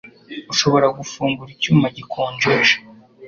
Ushobora gufungura icyuma gikonjesha